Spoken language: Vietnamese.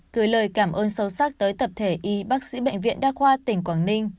gửi lời cảm ơn sâu sắc tới tập thể y bác sĩ bệnh viện đa khoa tỉnh quảng ninh